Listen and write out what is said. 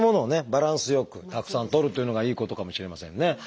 バランスよくたくさんとるというのがいいことかもしれませんね。